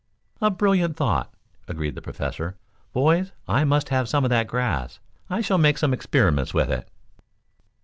"A brilliant thought," agreed the Professor. "Boys, I must have some of that grass. I shall make some experiments with it."